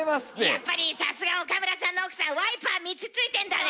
やっぱりさすが岡村さんの奥さんワイパー３つ付いてんだね！